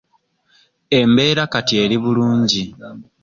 Embeera kati eri bulungi.